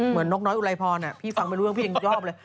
เหมือนนกน้อยอุไรพรพี่ฟังไปเรื่องพี่ยังชอบเลย